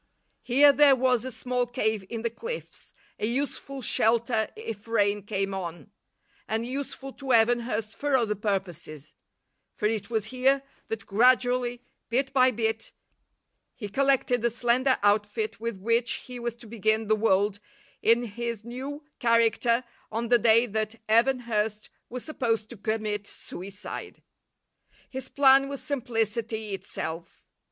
Here there was a small cave in the cliffs, a useful shelter if rain came on, and useful to Evan Hurst for other purposes; for it was here that gradually, bit by bit, he collected the slender outfit with which he was to begin the world in his new character on the day that Evan Hurst was supposed to commit suicide. His plan was simplicity itself.